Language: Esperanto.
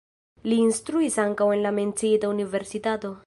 Li instruis ankaŭ en la menciita universitato.